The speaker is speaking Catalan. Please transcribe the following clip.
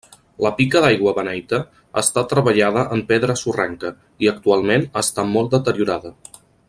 La pica d'aigua beneita està treballada en pedra sorrenca, i actualment està molt deteriorada.